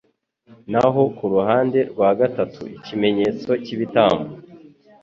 naho kuruhande rwa gatatu ikimenyetso cyibitambo